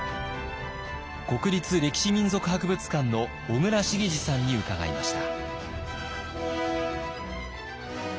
国立歴史民俗博物館の小倉慈司さんに伺いました。